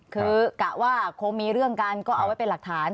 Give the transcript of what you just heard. คือกะว่าคงมีเรื่องกันก็เอาไว้เป็นหลักฐาน